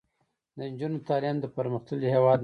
د نجونو تعلیم د پرمختللي هیواد نښه ده.